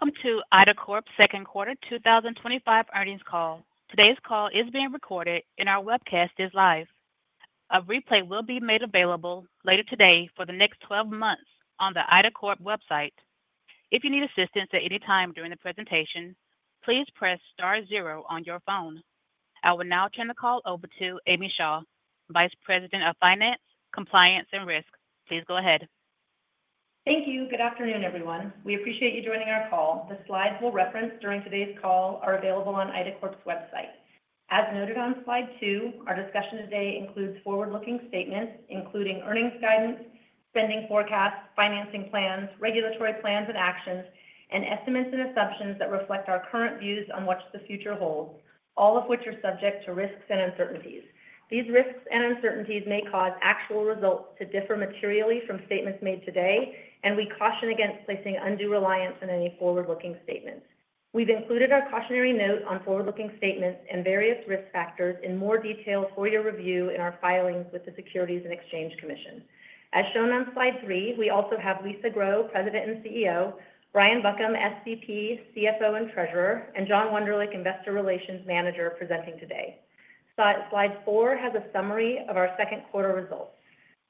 Welcome to IDACORP, Inc. second quarter 2025 earnings call. Today's call is being recorded and our webcast is live. A replay will be made available later today for the next 12 months on the IDACORP. website. If you need assistance at any time during the presentation, please press star zero on your phone. I will now turn the call over to Amy Shaw, Vice President of Finance, Compliance and Risk. Please go ahead. Thank you. Good afternoon, everyone. We appreciate you joining our call. The slides we'll reference during today's call. Are available on IDACORP's website. As noted on slide 2, our discussion today includes forward-looking statements including earnings guidance, spending forecasts, financing plans, regulatory plans and actions, and estimates and assumptions that reflect our current views on what the future holds, all of which are subject. To risks and uncertainties. These risks and uncertainties may cause actual results to differ materially from statements made today and we caution against placing undue reliance on any forward-looking statements. We've included our cautionary note on forward-looking statements and various risk factors in more detail for your review in our filings with the Securities and Exchange Commission. As shown on Slide 3, we also have Lisa Grow, President and CEO, Brian Buckham, SVP, CFO, and Treasurer, and John Wunderlich, Investor Relations Manager, presenting today. Slide 4 has a summary of our second quarter results.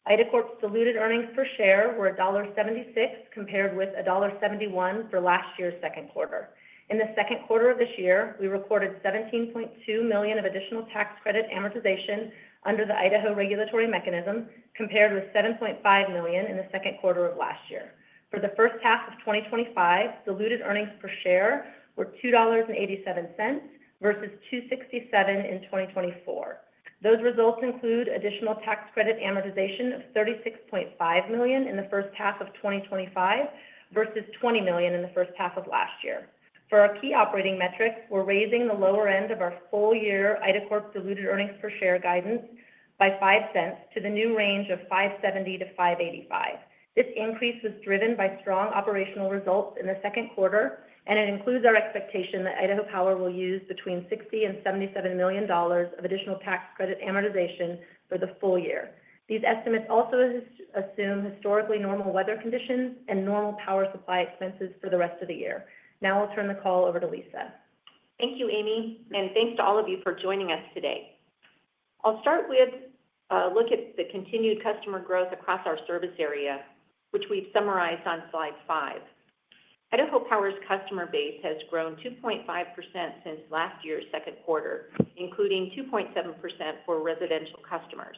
IDACORP's diluted earnings per share were $1.76 compared with $1.71 for last year's second quarter. In the second quarter of this year, we recorded $17.2 million of additional tax credit amortization under the Idaho regulatory mechanism compared with $7.5 million in the second quarter of last year. For the first half of 2025, diluted earnings per share were $2.87 versus $2.67 in 2024. Those results include additional tax credit amortization of $36.5 million in the first half of 2025 versus $20 million in the first half of last year. For our key operating metrics, we're raising the lower end of our full year IDACORP diluted earnings per share guidance by $0.05 to the new range of $5.70 to $5.85. This increase was driven by strong operational results in the second quarter, and it includes our expectation that Idaho Power will use between $60 million and $77 million of additional tax credit amortization for the full year. These estimates also assume historically normal weather conditions and normal power supply expenses for the rest of the year. Now I'll turn the call over to Lisa. Thank you, Amy, and thanks to all of you for joining us today. I'll start with a look at the continued customer growth across our service area, which we've summarized on slide 5. Idaho Power's customer base has grown 2.5% since last year's second quarter, including 2.7% for residential customers.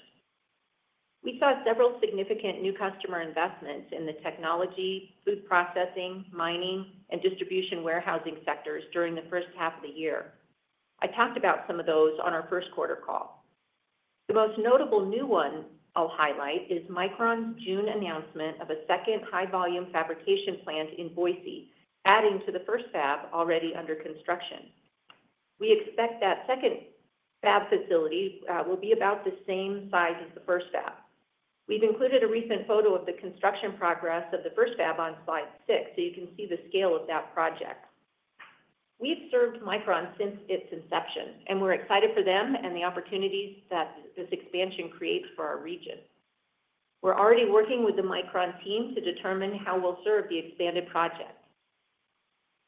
We saw several significant new customer investments in the technology, food processing, mining, and distribution warehousing sectors during the first half of the year. I talked about some of those on our first quarter call. The most notable new one I'll highlight is Micron's June announcement of a second high-volume fabrication plant in Boise, adding to the first fab already under construction. We expect that second facility will be about the same size as the first fab. We've included a recent photo of the construction progress of the first fab on slide 6 so you can see the scale of that project. We've served Micron since its inception, and we're excited for them and the opportunities that this expansion creates for our region. We're already working with the Micron team to determine how we'll serve the expanded project.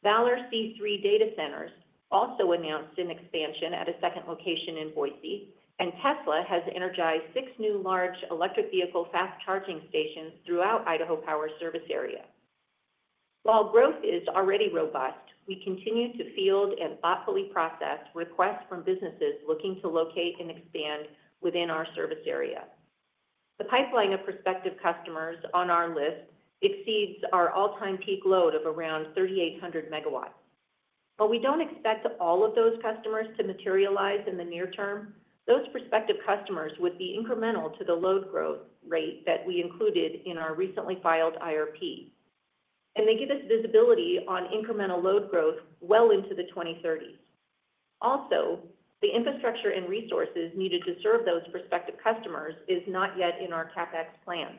ValorC3 data centers also announced an expansion at a second location in Boise, and Tesla has energized six new large electric vehicle fast charging stations throughout Idaho Power service area. While growth is already robust, we continue to field and thoughtfully process requests from businesses looking to locate and expand within our service area. The pipeline of prospective customers on our list exceeds our all-time peak load of around 3,800 MW. While we don't expect all of those customers to materialize in the near term, those prospective customers would be incremental to the load growth rate that we included in our recently filed IRP, and they give us visibility on incremental load growth well into the 2030s. Also, the infrastructure and resources needed to serve those prospective customers is not yet in our CapEx plans.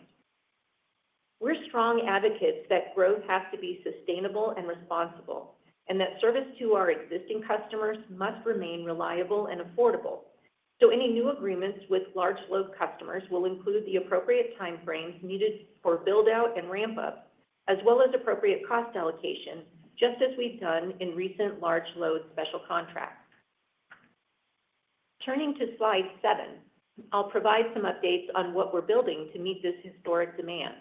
We're strong advocates that growth has to be sustainable and responsible and that service to our existing customers must remain reliable and affordable. Any new agreements with large load customers will include the appropriate timeframes needed for build out and ramp up, as well as appropriate cost allocation, just as we've done in recent large load special contracts. Turning to slide 7, I'll provide some updates on what we're building to meet this historic demand.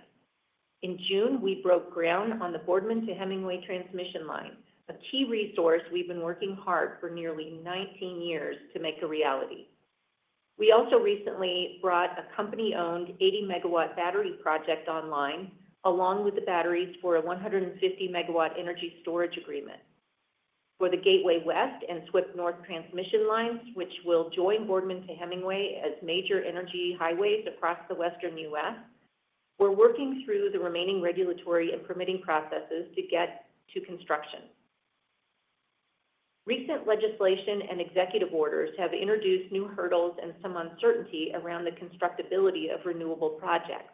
In June, we broke ground on the Boardman to Hemingway transmission line, a key resource we've been working hard for nearly 19 years to make a reality. We also recently brought a company-owned 80 MW battery project online along with the batteries for a 150 MW energy storage agreement for the Gateway West and Swift North transmission lines, which will join Boardman to Hemingway as major energy highways across the Western U.S. We're working through the remaining regulatory and permitting processes to get to construction. Recent legislation and executive orders have introduced new hurdles and some uncertainty around the constructability of renewable projects.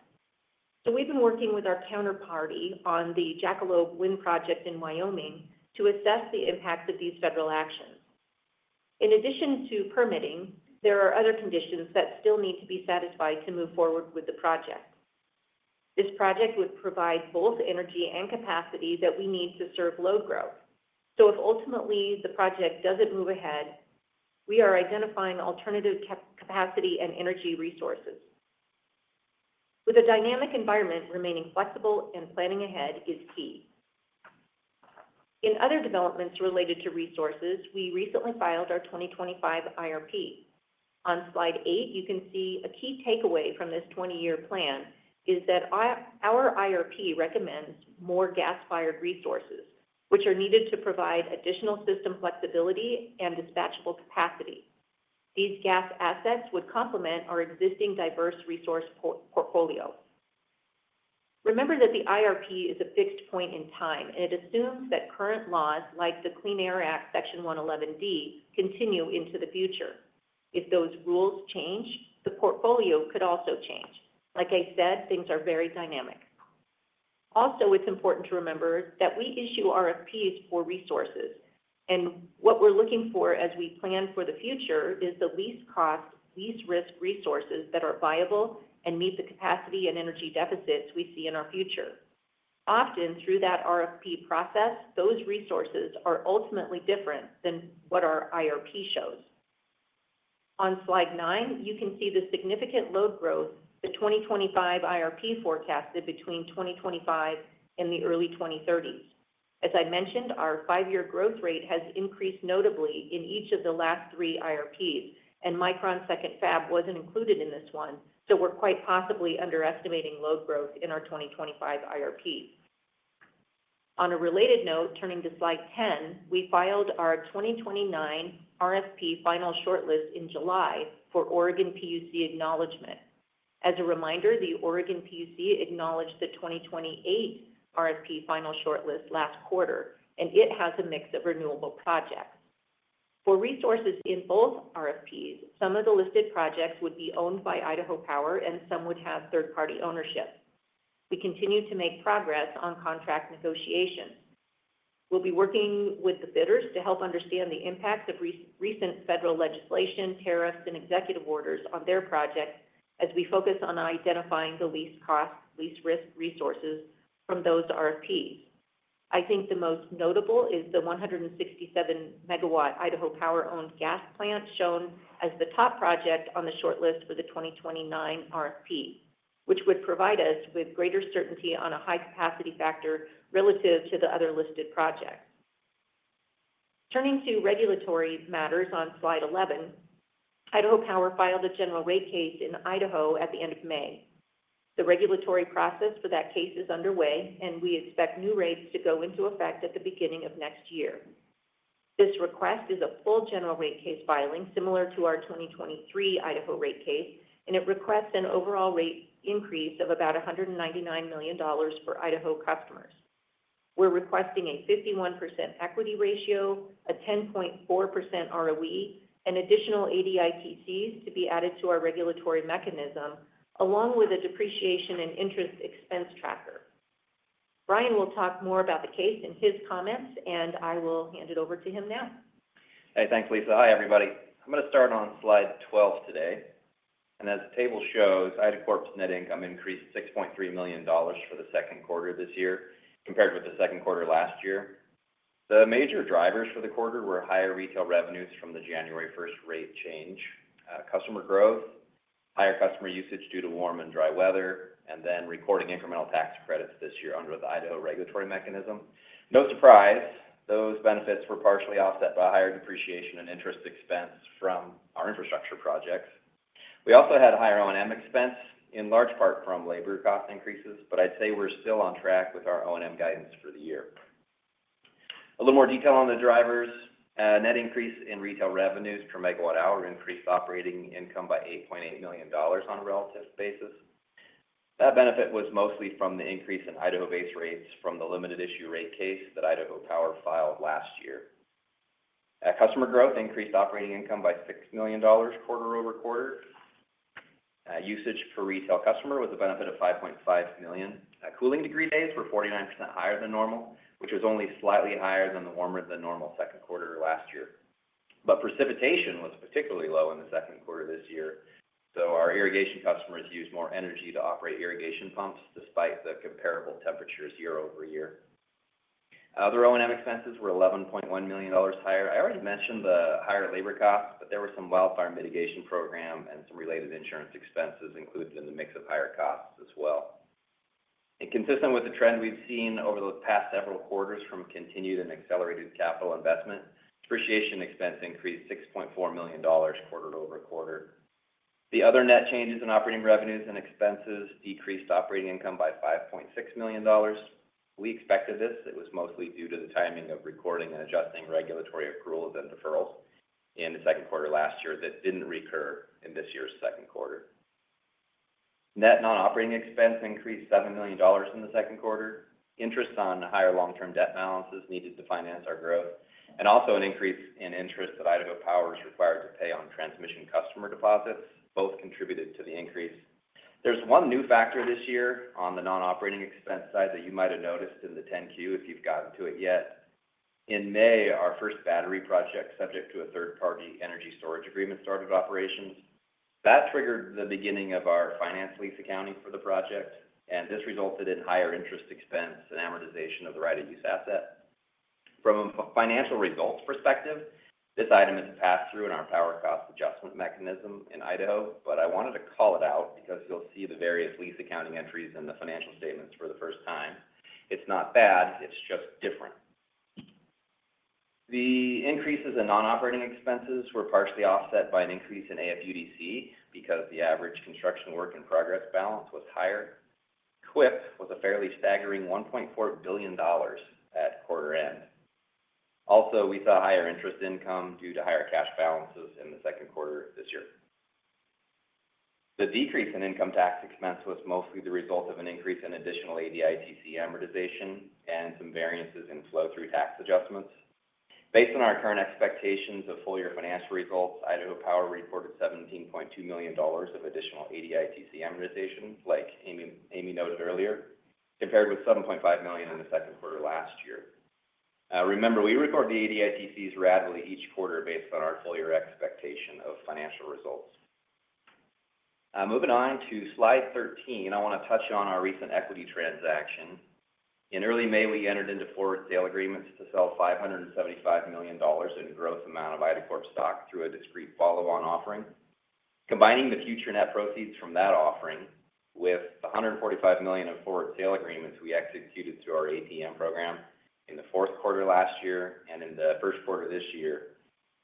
We've been working with our counterparty on the Jackalope Wind project in Wyoming to assess the impact of these federal actions. In addition to permitting, there are other conditions that still need to be satisfied to move forward with the project. This project would provide both energy and capacity that we need to serve load growth. If ultimately the project doesn't move ahead, we are identifying alternative capacity and energy resources. With a dynamic environment, remaining flexible and planning ahead is key. In other developments related to resources, we recently filed our 2025 IRP. On slide 8 you can see a key takeaway from this 20 year plan is that our IRP recommends more gas-fired resources, which are needed to provide additional system flexibility and dispatchable capacity. These gas assets would complement our existing diverse resource portfolio. Remember that the IRP is a fixed point in time and it assumes that current laws like the Clean Air Act Section 111D continue into the future. If those rules change, the portfolio could also change. Like I said, things are very dynamic. Also, it's important to remember that we issue RFPs for resources and what we're looking for as we plan for the future is the least cost, least risk resources that are viable and meet the capacity and energy deficits we see in our future. Often through that RFP process, those resources are ultimately different than what our IRP shows. On slide 9 you can see the significant load growth the 2025 IRP forecasted between 2025 and the early 2030s. As I mentioned, our 5 year growth rate has increased notably in each of the last three IRPs and Micron's second fab wasn't included in this one, so we're quite possibly underestimating load growth in our 2025 IRP. On a related note, turning to Slide 10, we filed our 2029 RFP Final Shortlist in July for Oregon PUC acknowledgement. As a reminder, the Oregon PUC acknowledged the 2028 RFP final shortlist last quarter and it has a mix of renewable projects for resources in both RFPs. Some of the listed projects would be owned by Idaho Power and some would have third party ownership. We continue to make progress on contract negotiations. We'll be working with the bidders to help understand the impacts of recent federal legislation, tariffs, and executive orders on their project as we focus on identifying the least cost, least risk resources from those RFPs. I think the most notable is the 167 MW Idaho Power owned gas plant shown as the top project on the shortlist for the 2029 RFP, which would provide us with greater certainty on a high capacity factor relative to the other listed projects. Turning to regulatory matters on Slide 11, Idaho Power filed a general rate case in Idaho at the end of May. The regulatory process for that case is underway and we expect new rates to go into effect at the beginning of next year. This request is a full general rate case filing similar to our 2023 Idaho rate case and it requests an overall rate increase of about $199 million for Idaho customers. We're requesting a 51% equity ratio, a 10.4% ROE, and additional ADITCs to be added to our regulatory mechanism along with a depreciation and interest expense tracker. Brian will talk more about the case in his comments and I will hand it over to him now. Hey, thanks Lisa. Hi everybody. I'm going to start on Slide 12 today, and as the table shows, IDACORP's net income increased $6.3 million for the second quarter this year compared with the second quarter last year. The major drivers for the quarter were higher retail revenues from the January 1st rate change, customer growth, higher customer usage due to warm and dry weather, and then recording incremental tax credits this year under the Idaho regulatory mechanism. No surprise, those benefits were partially offset by higher depreciation and interest expense from our infrastructure projects. We also had higher O&M expense in large part from labor cost increases, but I'd say we're still on track with our O&M guidance for the year. A little more detail on the drivers: Net increase in retail revenues per MWh increased operating income by $8.8 million on a relative basis. That benefit was mostly from the increase in Idaho base rates from the limited issue rate case that Idaho Power filed last year. Customer growth increased operating income by $6 million quarter over quarter. Usage per retail customer with a benefit of $5.5 million. Cooling degree days were 49% higher than normal, which was only slightly higher than the warmer than normal second quarter last year. Precipitation was particularly low in the second quarter this year, so our irrigation customers used more energy to operate irrigation pumps, despite the comparable temperatures year-over-year. Other O&M expenses were $11.1 million higher. I already mentioned the higher labor costs, but there were some wildfire mitigation program and some related insurance expenses included in the mix of higher costs as well. Consistent with the trend we've seen over the past several quarters from continued and accelerated capital investment, depreciation expense increased $6.4 million quarter-over-quarter. The other net changes in operating revenues and expenses decreased operating income by $5.6 million. We expected this. It was mostly due to the timing of recording and adjusting regulatory accruals and deferrals in the second quarter last year that didn't recur in this year's second quarter. Net non-operating expense increased $7 million in the second quarter. Interest on higher long-term debt balances needed to finance our growth and also an increase in interest that Idaho Power is required to pay on transmission customer deposits both contributed to the increase. There's one new factor this year on the non-operating expense side that you might have noticed in the 10-Q if you've gotten to it yet. In May, our first battery project subject to a third-party energy storage agreement started operations. That triggered the beginning of our finance lease accounting for the project, and this resulted in higher interest expense and amortization of the right-of-use asset. From a financial results perspective, this item is a pass-through in our power cost adjustment mechanism in Idaho, but I wanted to call it out because you'll see the various lease accounting entries in the financial statements for the first time. It's not bad, it's just different. The increases in non-operating expenses were partially offset by an increase in AFUDC because the average construction work in progress balance was higher. CWIP was a fairly staggering $1.4 billion at quarter end. Also, we saw higher interest income due to higher cash balances in the second quarter this year. The decrease in income tax expense was mostly the result of an increase in additional ADITC amortization and some variances in flow-through tax adjustments. Based on our current expectations of full-year financial results, Idaho Power reported $17.2 million of additional ADITC like Amy noted earlier, compared with $7.5 million in the second quarter last year. Remember, we record the ADITCs ratably each quarter based on our full-year expectation of financial results. Moving on to slide 13, I want to touch on our recent equity transaction. In early May, we entered into forward sale agreements to sell $575 million in gross amount of IDACORP stock through a discrete follow-on offering. Combining the future net proceeds from that offering with $145 million of forward sale agreements we executed through our ATM program in the fourth quarter last year and in the first quarter this year,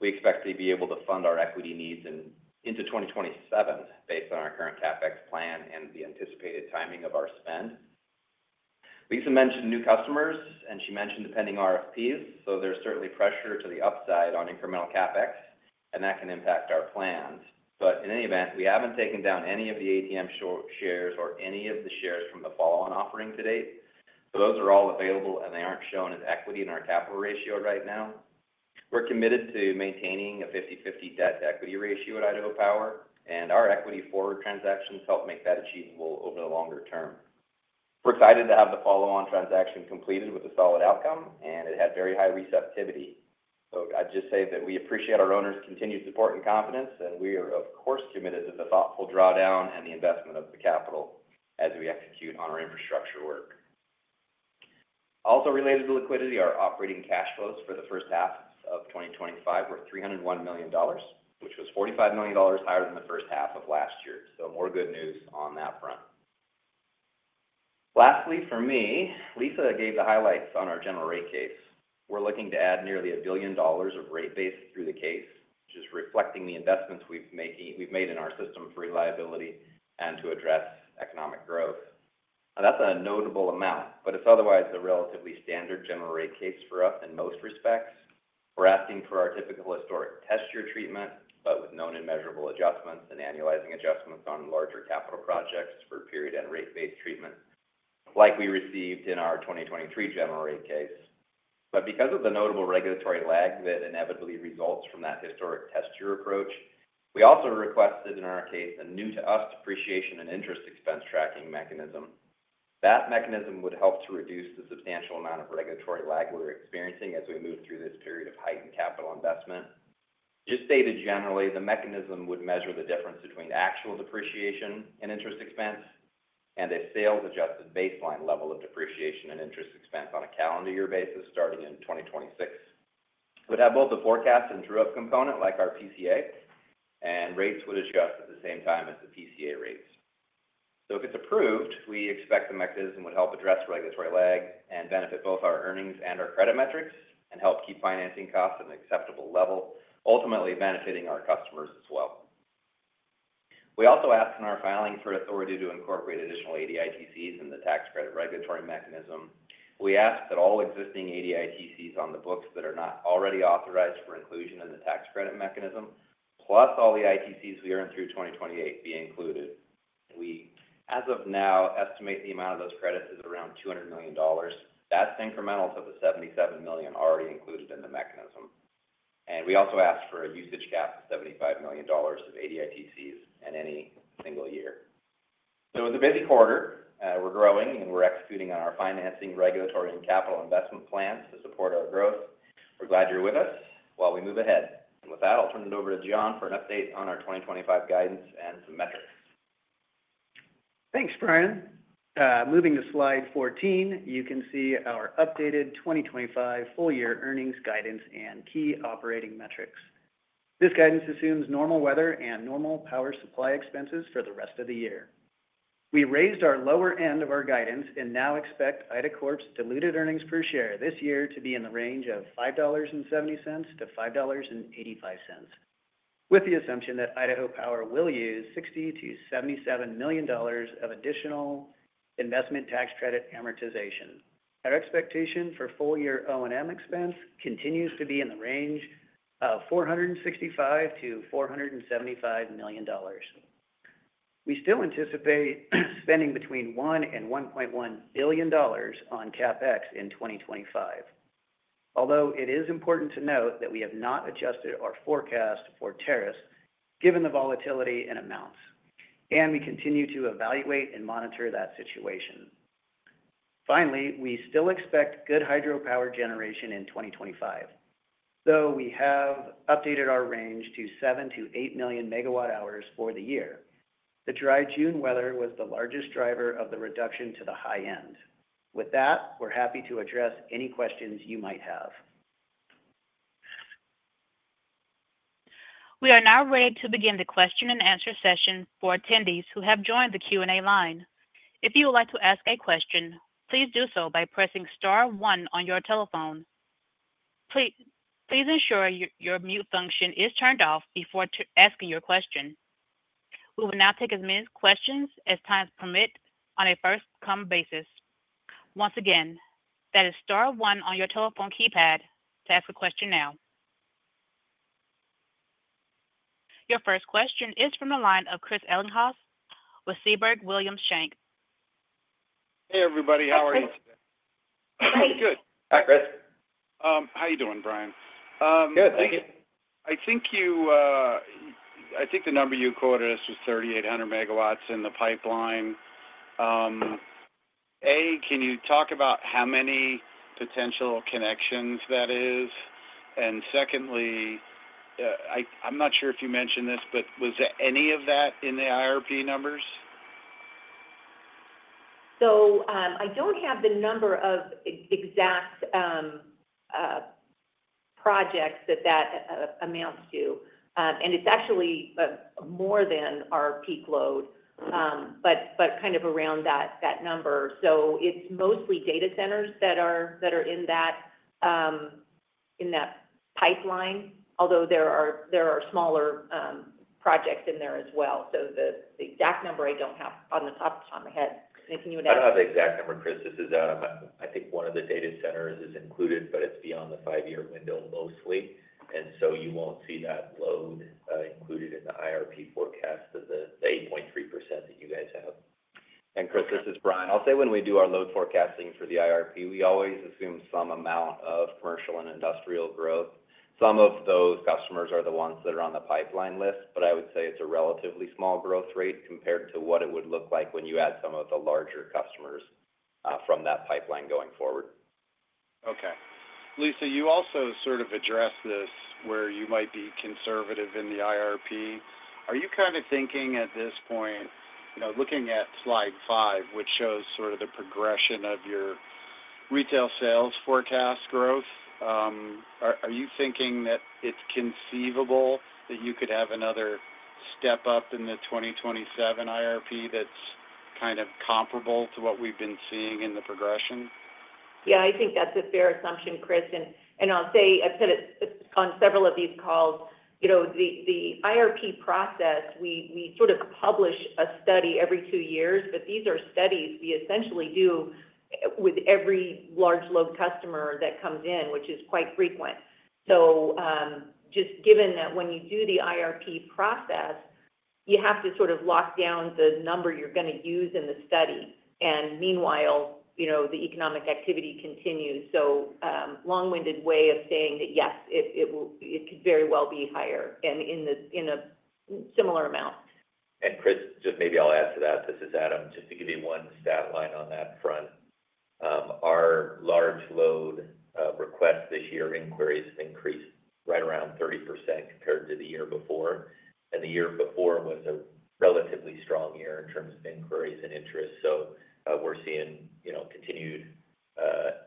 we expect to be able to fund our equity needs into 2027 based on our current CapEx plan and the anticipated timing of our spend. Lisa mentioned new customers and she mentioned the pending RFPs. There is certainly pressure to the upside on incremental CapEx, and that can impact our plans. In any event, we haven't taken down any of the ATM short shares or any of the shares from the follow-on offering to date, so those are all available and they aren't shown as equity in our capital ratio. Right now we're committed to maintaining a 50:50 debt to equity ratio at Idaho Power and our equity forward transactions help make that achievable over the longer term. We're excited to have the follow on transaction completed with a solid outcome, and it had very high receptivity. I'd just say that we appreciate our owners' continued support and confidence, and we are of course committed to the thoughtful drawdown and the investment of the capital as we execute on our infrastructure work. Also related to liquidity, our operating cash flows for the first half of 2025 were $301 million, which was $45 million higher than the first half of last year. More good news on that front. Lastly for me, Lisa gave the highlights on our general rate case. We're looking to add nearly $1 billion of rate base through the case, just reflecting the investments we've made in our system for reliability and to address economic growth. That's a notable amount, but it's otherwise a relatively standard general rate case for us. In most respects, we're asking for our typical historic test year treatment, but with known and measurable adjustments and annualizing adjustments on larger capital projects for period end rate base treatment like we received in our 2023 general rate case. Because of the notable regulatory lag that inevitably results from that historic test year approach, we also requested in our case a new to us depreciation and interest expense tracking mechanism. That mechanism would help to reduce the substantial amount of regulatory lag we're experiencing as we move through this period of heightened capital investment. Generally, the mechanism would measure the difference between actual depreciation and interest expense and a sales adjusted baseline level of depreciation and interest expense on a calendar year basis starting in 2026. It would have both the forecast and true up component like our PCA, and rates would adjust at the same time as the PCA rates. If it's approved, we expect the mechanism would help address regulatory lag and benefit both our earnings and our credit metrics and help keep financing costs at an acceptable level, ultimately benefiting our customers as well. We also asked in our filing for authority to incorporate additional ADITCs in the tax credit regulatory mechanism. We ask that all existing ADITCs on the books that are not already authorized for inclusion in the tax credit mechanism, plus all the ITCs we earned through 2028, be included. We, as of now, estimate the amount of those credits is around $200 million. That's incremental to the $77 million already included in the mechanism. We also asked for a usage cap of $75 million of ADITCs in any single year. It was a busy quarter. We're growing and we're executing on our financing, regulatory, and capital investment plans to support our growth. We're glad you're with us. While we move ahead with that, I'll turn it over to John for an update on our 2025 guidance and some metrics. Thanks, Brian. Moving to Slide 14, you can see our updated 2025 full year earnings guidance and key operating metrics. This guidance assumes normal weather and normal power supply expenses for the rest of the year. We raised our lower end of our guidance and now expect IDACORP's diluted earnings per share this year to be in the range of $5.70 to $5.85 with the assumption that Idaho Power will use $60 to $77 million of additional investment tax credit amortization. Our expectation for full year O&M expense continues to be in the range of $465 to $475 million. We still anticipate spending between $1 billion and $1.1 billion on CapEx in 2025, although it is important to note that we have not adjusted our forecast for tariffs given the volatility and amounts, and we continue to evaluate and monitor that situation. Finally, we still expect good hydropower generation in 2025, though we have updated our range to 7 to 8 million MWh for the year. The dry June weather was the largest driver of the reduction to the high end. With that, we're happy to address any questions you might have. We are now ready to begin the question and answer session for attendees who have joined the Q&A line. If you would like to ask a question, please do so by pressing Star one on your telephone. Please ensure your mute function is turned off before asking your question. We will now take as many questions as time permits on a first come basis. Once again, that is Star one on your telephone keypad to ask a question now. Your first question is from the line of Chris Ellinghaus with Siebert Williams Shank. Hey everybody. How are you today? Good. Hi, Chris. How are you doing, Brian? Good, thank you. I think the number you quoted us was 3,800 MWin the pipeline. Can you talk about how many potential connections that is? Secondly, I'm not sure if you mentioned this, but was there any of that in the IRP numbers? I don't have the number of exact projects that that amounts to, and it's actually more than our peak load, but kind of around that number. It's mostly data centers that are in that pipeline, although there are smaller projects in there as well. The exact number I don't have on the top of my head. Can you add the exact number? Chris, this is Adam. I think one of the data centers is included, but it's beyond the five-year window mostly, and you won't see that load included in the IRP forecast of the 8.3% that you guys have. Chris, this is Brian. I'll say when we do our load forecasting for the IRP, we always assume some amount of commercial and industrial growth. Some of those customers are the ones that are on the pipeline list. I would say it's a relatively small growth rate compared to what it would look like when you add some of the larger customers from that pipeline going forward. Okay, Lisa, you also sort of addressed this where you might be conservative in the IRP. Are you kind of thinking at this point, looking at slide 5, which shows sort of the progression of your retail sales forecast growth, are you thinking that it's conceivable that you could have another step up in the 2027 IRP that's kind of comparable to what we've been seeing in the progression? Yeah, I think that's a fair assumption, Chris, and I'll say I've said it on several of these calls. You know, the IRP process, we sort of publish a study every two years, but these are studies we essentially do with every large load customer that comes in, which is quite frequent. Just given that when you do the IRP process, you have to sort of lock down the number you're going to use in the study, and meanwhile the economic activity continues. Long winded way of saying that yes, it could very well be higher and in a similar amount. Chris, maybe I'll add to that. This is Adam, just to give you one stat line on that front. Our large load request this year, inquiries have increased right around 30% compared to the year before. The year before was a relatively strong year in terms of inquiries and interest. We're seeing continued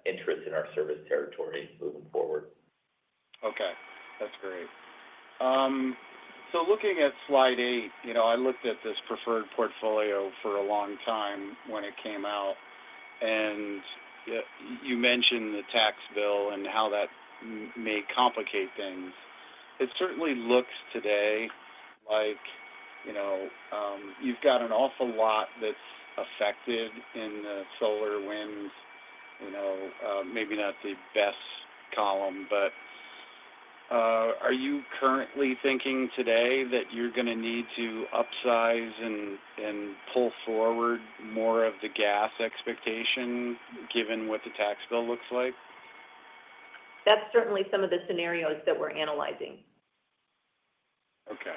interest in our service territory moving forward. Okay, that's great. Looking at slide 8, I looked at this preferred portfolio for a long time when it came out, and you mentioned the tax bill and how that may complicate things. It certainly looks today like, you know, you've got an awful lot that's affected in SolarWinds. Maybe not the best column, but are you currently thinking today that you're going to need to upscale and pull forward more of the gas expectation, given what the tax bill looks like? That's certainly some of the scenarios that we're analyzing. Okay.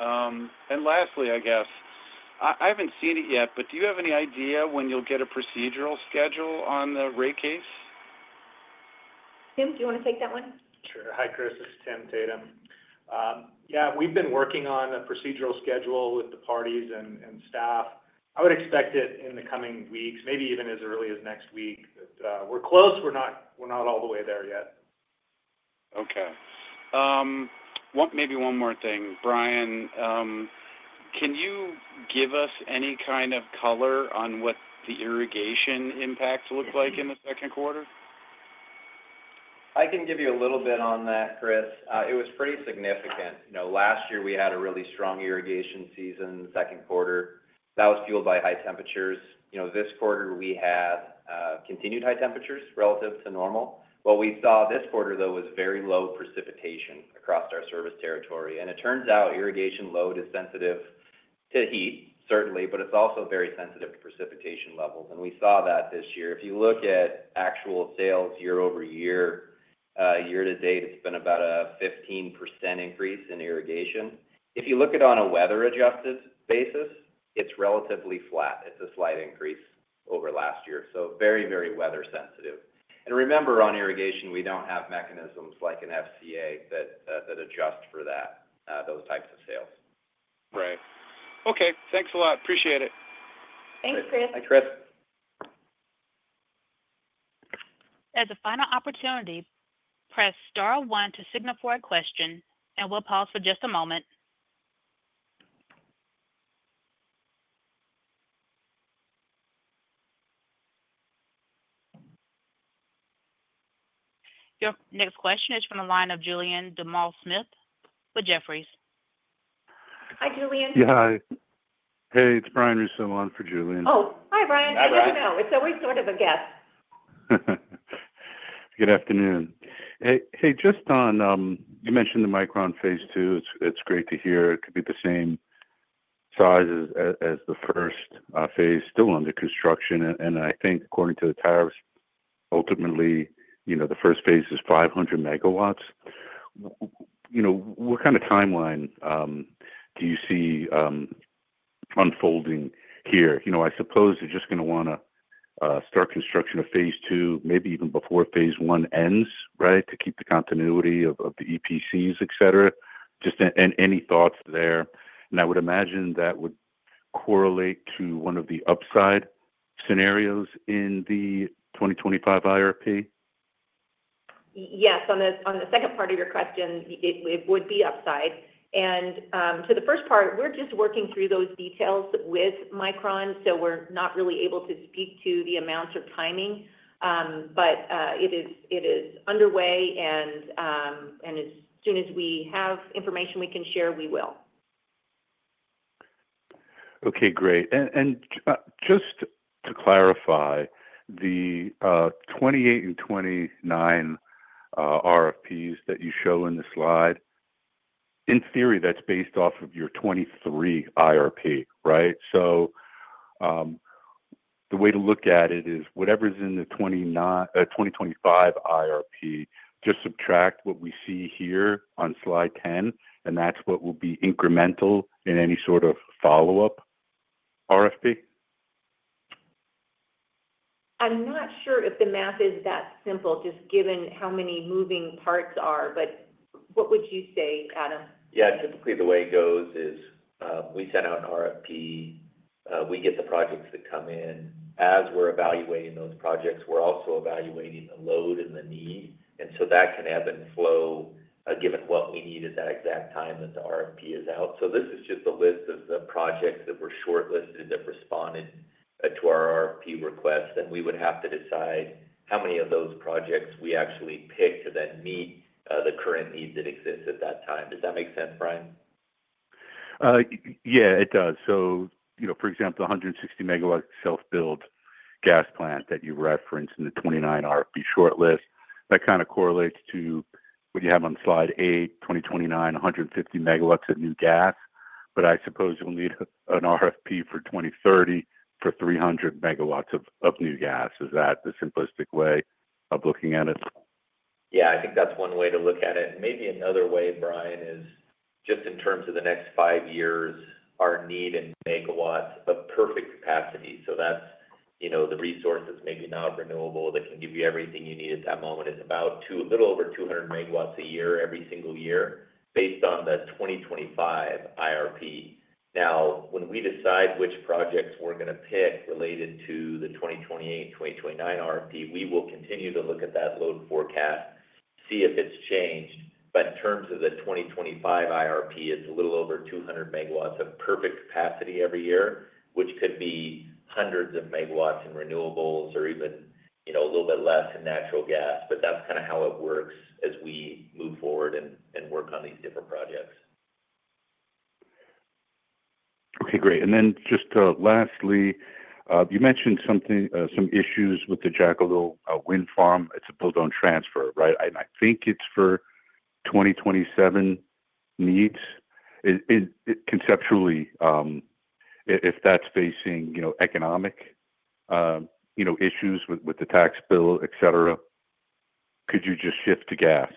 And lastly, I guess I haven't seen it yet, but do you have any idea when you'll get a procedural schedule on the rate case? Tim, do you want to take that one? Sure. Hi, Chris, it's Tim Tatum. Yeah, we've been working on a procedural schedule with the parties and staff. I would expect it in the coming weeks, maybe even as early as next week. We're close, we're not all the way there yet. Okay, maybe one more thing, Brian. Can you give us any kind of color on what the irrigation impact looked like in the second quarter? I can give you a little bit on that, Chris. It was pretty significant. Last year we had a really strong irrigation season. Second quarter that was fueled by high temperatures. This quarter we had continued high temperatures relative to normal. What we saw this quarter, though, was very low precipitation across our service territory. It turns out irrigation load is sensitive to heat, certainly, but it's also very sensitive to precipitation levels. We saw that this year. If you look at actual sales year-over-year, year-to-date, it's been about a 15% increase in irrigation. If you look at on a weather adjusted basis, it's relatively flat. It's a slight increase over last year. Very, very weather sensitive. Remember, on irrigation, we don't have mechanisms like an FCA that adjust for that, those types of sales. Right. Okay, thanks a lot. Appreciate it. Thanks, Chris. As a final opportunity, press Star one to signal for a question, and we'll pause for just a moment. Your next question is from the line of Julien Dumoulin Smith with Jefferies. Hi, Julian. Hey, it's Brian Russo on for Julian. Oh, hi, Brian. I didn't know. It's always sort of a guess. Good afternoon. Just on you mentioned the Micron phase two, it's great to hear. It could be the same size as the first phase, still under construction. I think according to the tariffs, ultimately, you know, the first phase is 500 MW. What kind of timeline do you see unfolding here? I suppose you're just going to want to start construction of phase two, maybe even before phase one ends, right, to keep the continuity of the EPCs, etc. Just you have any thoughts there? I would imagine that would correlate to one of the upside scenarios in the 2025 IRP. Yes, on the second part of your question, it would be upside. For the first part, we're just working through those details with Micron, so we're not really able to speak to the amount or timing, but it is underway and as soon as we have information we can share, we will. Okay, great. Just to clarify, the 2028 and 2029 RFPs that you show in the slide, in theory, that's based off of your 2023 IRP. Right. The way to look at it is whatever's in the 2029, 2025 IRP, just subtract what we see here on slide 10 and that's what will be incremental in any sort of follow up RFP. I'm not sure if the math is that simple just given how many moving parts there are, but what would you say, Adam? Typically, the way it goes is we send out an RFP, we get the projects that come in. As we're evaluating those projects, we're also evaluating the load and the need. That can ebb and flow, given what we need at that exact time that the RFP is out. This is just a list of the projects that were shortlisted that responded to our RFP request. We would have to decide how many of those projects we actually pick to then meet the current needs that exist at that time. Does that make sense, Brian? Yeah, it does. For example, 160 MW self-billed gas plant that you referenced in the 2029 RFP shortlist, that kind of correlates to what you have on slide 8, 2029, 150 MW of new gas. I suppose you'll need an RFP for 2030 for 300 MW of new gas. Is that the simplistic way of looking at it? Yeah, I think that's one way to look at it. Maybe another way, Brian, is just in terms of the next five years, our need in MW of perfect capacity. The resources may be not renewable. That can give you everything you need at that moment is about a little over 200 MW a year every single year based on the 2025 IRP. When we decide which projects we're going to pick related to the 2028, 2029 IRP, we will continue to look at that load forecast, see if it's changed. In terms of the 2025 IRP, it's a little over 200 MW of perfect capacity every year, which could be hundreds of megawatts in renewables or even a little bit less in natural gas. That's kind of how it works as we move forward and work on these different projects. Okay, great. Lastly, you mentioned something, some issues with the Jackalope Wind project. It's a build on transfer, right? I think it's for 2027 needs. Conceptually, if that's facing, you know, economic, you know, issues with the tax bill, etc., could you just shift to gas?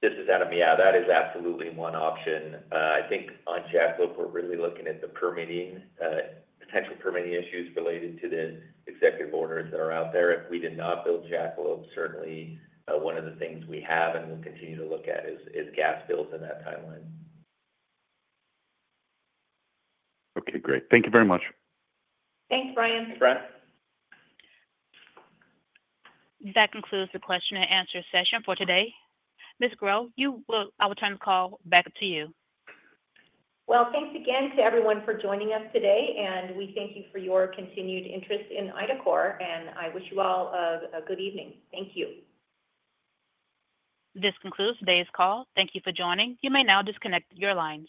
This is Adam. Yeah, that is absolutely one option. I think on Jackalope, we're really looking at the permitting potential, permitting issues related to the executive orders that are out there. If we did not build Jackalope, certainly one of the things we have and will continue to look at is gas bills in that timeline. Okay, great. Thank you very much. Thanks, Brian. That concludes the question and answer session for today. Ms. Grow, you will. I will turn the call back to you. Thank you again to everyone for joining us today and we thank you for your continued interest in IDACORP and I wish you all a good evening. Thank you. This concludes today's call. Thank you for joining. You may now disconnect your lines.